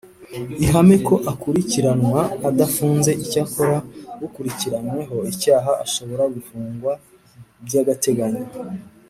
ihame ko akurikiranwa adafunze Icyakora ukurikiranyweho icyaha ashobora gufungwa by agateganyo